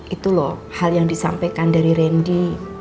itu loh hal yang disampaikan dari randy